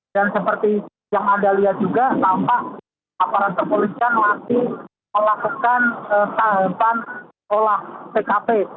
dan seperti yang anda lihat juga tampak aparat kepolisian masih melakukan tahapan olah pkp